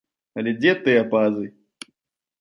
Але дзе тыя базы?